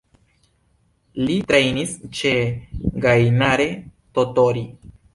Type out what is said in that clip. Li trejnis ĉe Gainare Tottori.